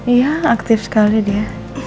iya aktif sekali dia